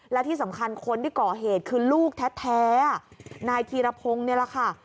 และที่สำคัญคนที่ก่อเหตุคือลูกแท้นายธีรพงศ์นี่แหละค่ะ